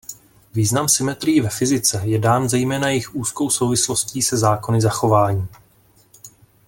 Význam symetrií ve fyzice je dán zejména jejich úzkou souvislostí se zákony zachování.